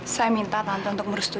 saya minta tante untuk merustui